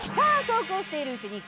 そうこうしているうちに。